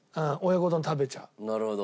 なるほど。